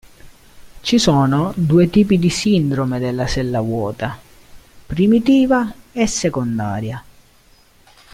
Ci sono due tipi di sindrome della sella vuota: primitiva e secondaria.